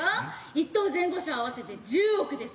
１等・前後賞合わせて１０億です。